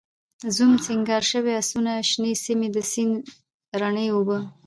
زوم، سینګار شوي آسونه، شنې سیمې، د سیند رڼې اوبه